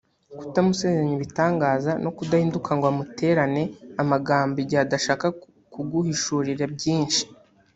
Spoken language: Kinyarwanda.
kutamusezeranya ibitangaza no kudahinduka ngo muterane amagambo igihe adashaka kuguhishurira byinshi